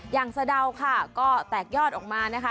อย่างสะเท่าค่ะก็แตกยอดออกมานะคะ